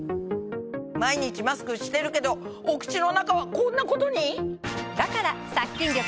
毎日マスクしてるけどお口の中はこんなことに⁉だから。